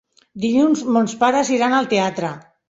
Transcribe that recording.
Dilluns mons pares iran al teatre.